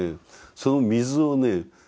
その水をね